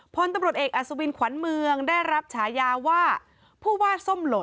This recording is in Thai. พลตำรวจเอกอัศวินขวัญเมืองได้รับฉายาว่าผู้ว่าส้มหล่น